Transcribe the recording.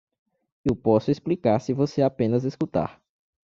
Eu posso explicar se você apenas escutar.